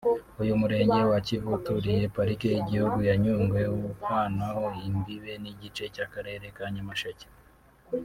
uyu Murenge wa Kivu uturiye Parike y’igihugu ya Nyungwe uhanaho imbibe n’igice cy’Akarere ka Nyamasheke